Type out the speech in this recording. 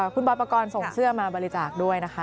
คุณบอยปกรณ์ส่งเสื้อมาบริจาคด้วยนะคะ